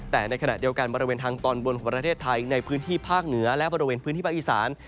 แต่ในขณะเดียวกันบริเวณทางตอนบนของประเทศไทยในพื้นที่ภาคเหนือและบริเวณพื้นที่ภาคอีสาน